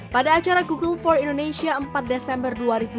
pada acara google for indonesia empat desember dua ribu dua puluh